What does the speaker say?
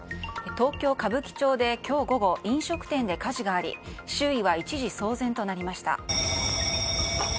東京・歌舞伎町で今日午後飲食店で火事があり周囲は一時騒然となりました。